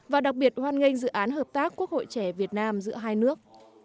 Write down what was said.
và đặc biệt hoan nghênh dự án hợp tác quốc hội trẻ việt nam giữa hai nước